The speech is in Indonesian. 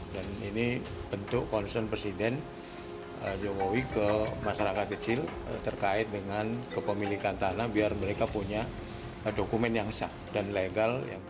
dan ini bentuk konsen presiden jokowi ke masyarakat kecil terkait dengan kepemilikan tanah biar mereka punya dokumen yang sah dan legal